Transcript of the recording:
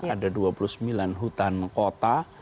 ada dua puluh sembilan hutan kota